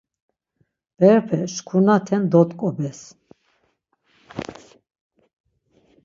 Berepe şkurnaten dot̆ǩobes.